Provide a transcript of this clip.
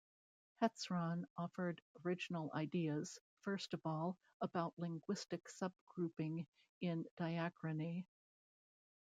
Hetzron offered original ideas; first of all, about linguistic subgrouping in diachrony.